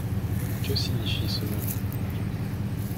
Que signifie ce mot ?